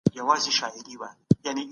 د تېلو په کیفیت کي باید درغلي ونه سي.